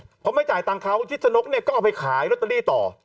เพราะไม่จ่ายตังค์เขาชิดชะนกเนี่ยก็เอาไปขายลอตเตอรี่ต่อ